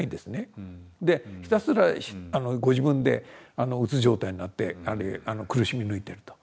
ひたすらご自分でうつ状態になって苦しみ抜いていると。